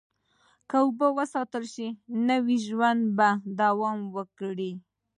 که اوبه وساتل شي، نو ژوند به دوام وکړي.